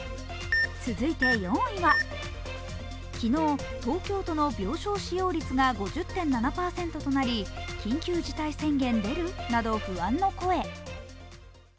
続いて４位は、昨日、東京都の病床使用率が５０．７％となり緊急事態宣言出る？などの不安の声。